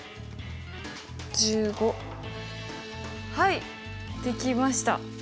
はいできました。